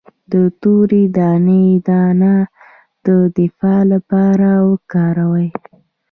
د تورې دانې دانه د دفاع لپاره وکاروئ